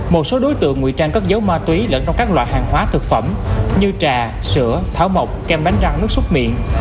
một số đối tượng nguy trang cất giấu ma túy lẫn trong các loại hàng hóa thực phẩm như trà sữa thảo mộc kem bánh răng nước xúc miệng